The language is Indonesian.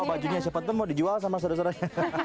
oh dibawa bajunya siapa tuh mau dijual sama saudara saudaranya